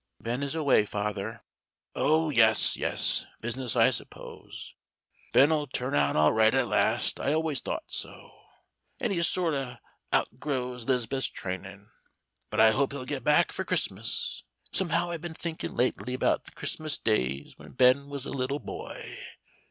"Ben is away, father." "Oh, yes, yes. Business, I suppose. Ben'll turn out all right at last. I always thought so. After he sort o' outgrows 'Liz'beth's trainin'. But I hope he'll get back for Christmas. Somehow I've been thinkin' lately 'bout the Christmas days when Ben was a little boy.